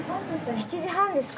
７時半ですか。